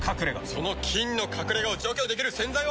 その菌の隠れ家を除去できる洗剤は。